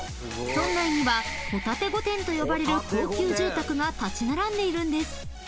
［村内にはほたて御殿と呼ばれる高級住宅が立ち並んでいるんです］